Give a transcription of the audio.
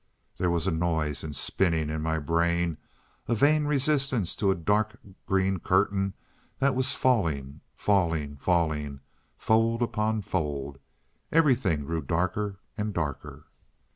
There was a noise and spinning in my brain, a vain resistance to a dark green curtain that was falling, falling, falling, fold upon fold. Everything grew darker and darker.